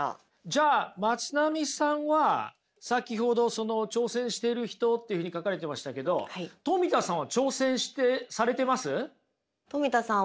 じゃあまつなみさんは先ほど「挑戦してる人」っていうふうに書かれてましたけどトミタさんは挑戦してされてます？